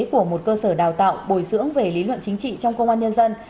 của một cơ sở đào tạo bồi dưỡng về lý luận chính trị trong công an nhân dân